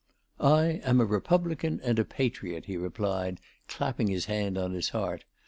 "I am a Republican and a patriot," he replied, clapping his hand on his heart.